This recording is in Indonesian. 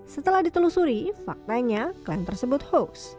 setelah ditelusuri faktanya klaim tersebut hoax